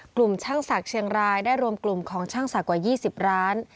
กลุ่มช่างศักดิ์เชียงรายได้รวมกลุ่มของช่างศักดิ์กว่า๒๐ร้าน